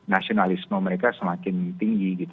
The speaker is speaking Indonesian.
nasionalisme mereka semakin tinggi